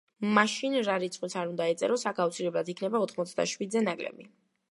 მაშინ, რა რიცხვიც არ უნდა ეწეროს აქ, აუცილებლად იქნება ოთხმოცდაშვიდზე ნაკლები.